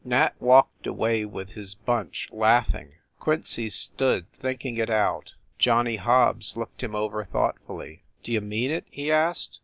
Nat walked away with his bunch, laughing; Quincy stood thinking it out. Johnny Hobbs looked him over thoughtfully. "D you mean it?" he asked.